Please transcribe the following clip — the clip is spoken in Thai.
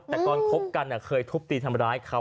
แต่ตอนคบกันเคยทุบตีทำร้ายเขา